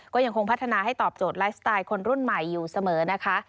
ก็ยังคงพัฒนาให้ตอบโจทย์ไลฟ์สไตล์คนรุ่นใหม่อยู่เสมอนะคะ